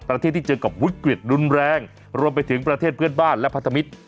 ประเทศที่เจอกับวิกฤตรุนแรงรวมไปถึงประเทศเพื่อนบ้านและพันธมิตร